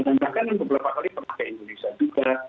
dan bahkan yang beberapa kali memakai indonesia juga